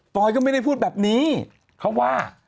อยก็ไม่ได้พูดแบบนี้เขาว่า